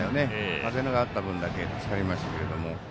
風があった分だけ助かりましたけど。